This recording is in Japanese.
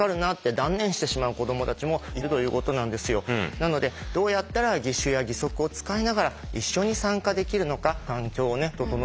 なのでどうやったら義手や義足を使いながら一緒に参加できるのか環境を整えていきたいですよね。